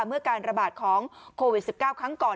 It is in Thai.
เมื่อการระบาดของโควิด๑๙ครั้งก่อน